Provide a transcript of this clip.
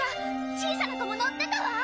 小さな子も乗ってたわ。